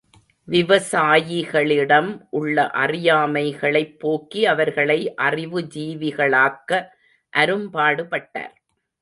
விவசாயிகளிடம் உள்ள அறியாமைகளைப் போக்கி அவர்களை அறிவு ஜீவிகளாக்க அரும்பாடுபட்டார்.